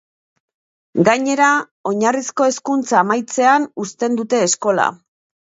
Gainera, oinarrizko hezkuntza amaitzean uzten dute eskola.